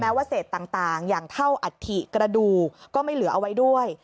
ว่าเศษต่างอย่างเท่าอัฐิกระดูกก็ไม่เหลือเอาไว้ด้วย